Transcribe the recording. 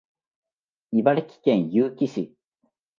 茨城県結城市